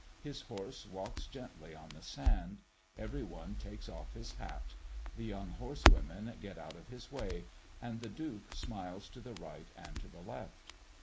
His horse walks gently on the sand; every one takes off his hat; the young horse women get out of his way; and the Duke smiles to the right and to the left.